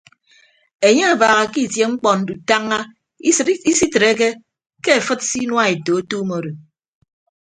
Enye abaaha ke itie mkpọ ndutañña isitreke ke afịd se inuaeto aketuum odo.